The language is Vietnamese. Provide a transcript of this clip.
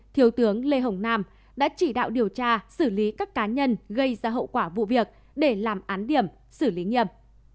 thiếu tướng lê hồng nam đã chỉ đạo điều tra xử lý các cá nhân gây ra hậu quả vụ việc để làm án điểm xử lý nghiêm